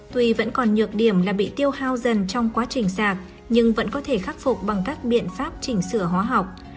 tuy vẫn còn nhược điểm là bị tiêu hao dần trong quá trình sạc nhưng vẫn có thể khắc phục bằng các biện pháp chỉnh sửa hóa học